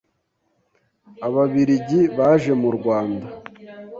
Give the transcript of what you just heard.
Ababiligi baje mu Rwanda